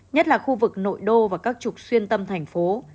nhất là khu vực nội đô và các trục xuyên tâm thành phố